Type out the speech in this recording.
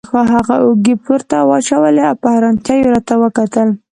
هغه اوږې پورته واچولې او په حیرانتیا یې راته وکتل.